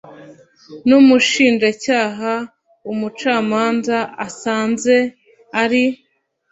n umushinjacyaha umucamanza asanze ari